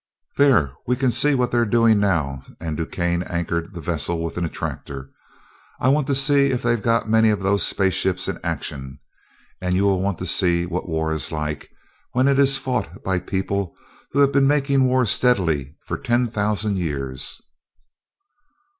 "There, we can see what they're doing now," and DuQuesne anchored the vessel with an attractor. "I want to see if they've got many of those space ships in action, and you will want to see what war is like, when it is fought by people, who have been making war steadily for ten thousand years."